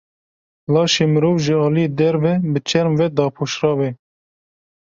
Laşê mirov ji aliyê derve bi çerm ve dapoşrav e.